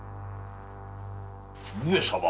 上様